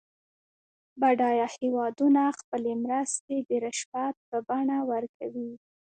بډایه هېوادونه خپلې مرستې د رشوت په بڼه ورکوي.